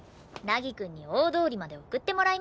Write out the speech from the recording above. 凪くんに大通りまで送ってもらいます。